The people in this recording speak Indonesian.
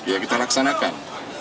ya kita laksanakan